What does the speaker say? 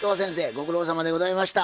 ご苦労さまでございました。